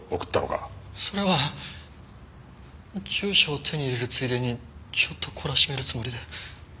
それは住所を手に入れるついでにちょっと懲らしめるつもりで。